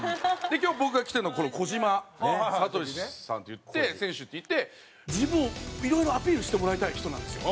今日僕が着てるのは小島聡さんっていって選手っていって自分をいろいろアピールしてもらいたい人なんですよ。